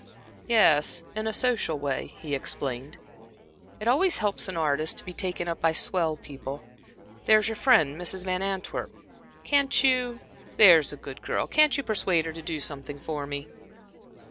"Yes, in a social way," he explained. "It always helps an artist to be taken up by swell people. There's your friend Mrs. Van Antwerp can't you there's a good girl persuade her to do something for me?"